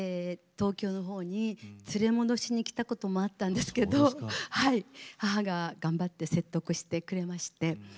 東京のほうに連れ戻しに来たこともあったんですけど母が頑張って説得してくれまして。